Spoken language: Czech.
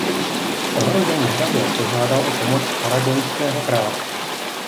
Ohrožený hrabě požádal o pomoc aragonského krále.